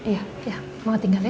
ya mau tinggal ya